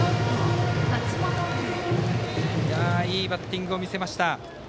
いいバッティングを見せました。